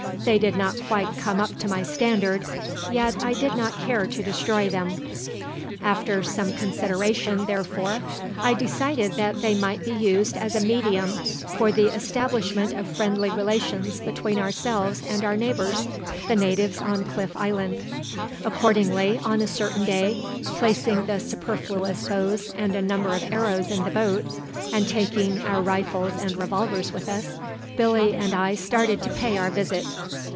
They did not quite come up to my standard, yet I did not care to destroy them; after some consideration, therefore, I decided that they might be used as a medium for the establishment of friendly relations between ourselves and our neighbours, the natives on Cliff Island. Accordingly, on a certain day, placing the superfluous bows and a number of arrows in the boat, and taking our rifles and revolvers with us, Billy and I started to pay our visit.